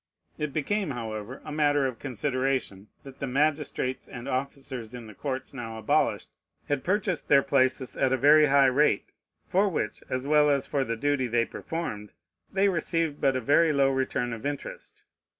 It became, however, a matter of consideration, that the magistrates and officers in the courts now abolished had purchased their places at a very high rate, for which, as well as for the duty they performed, they received but a very low return of interest.